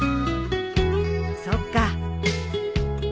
そっか。